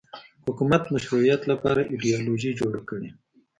حکومت مشروعیت لپاره ایدیالوژي جوړه کړي